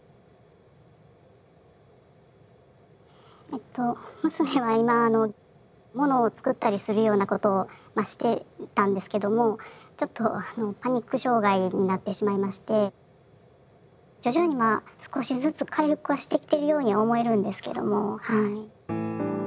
えっと娘は今ものを作ったりするようなことをしてたんですけどもちょっとパニック障害になってしまいまして徐々に少しずつ回復はしてきてるようには思えるんですけどもはい。